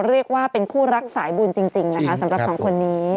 เรียกว่าเป็นคู่รักสายบุญจริงนะคะสำหรับสองคนนี้